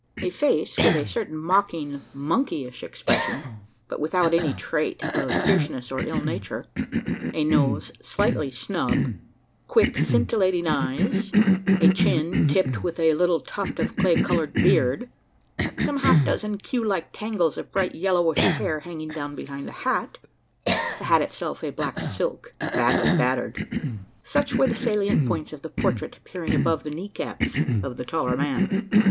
A face, with a certain mocking monkeyish expression, but without any trait of fierceness or ill nature a nose slightly snub quick scintillating eyes a chin, tipped with a little tuft of clay coloured beard some half dozen queue like tangles, of bright yellowish hair, hanging down behind the hat the hat itself a black "silk," badly battered such were the salient points of the portrait appearing above the knee caps of the taller man.